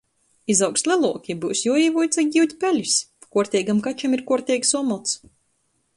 Izaugs leluoki, byus juoīvuica giut pelis. Kuorteigam kačam ir kuorteigs omots.